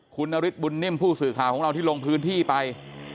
คุณนฤทธบุญนิ่มผู้สื่อข่าวของเราที่ลงพื้นที่ไป